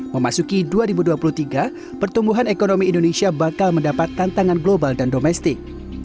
memasuki dua ribu dua puluh tiga pertumbuhan ekonomi indonesia bakal mendapat tantangan global dan domestik